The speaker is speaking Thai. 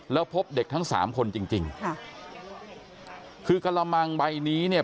แล้วพบเด็กทั้งสามคนจริงจริงค่ะคือกระมังใบนี้เนี่ย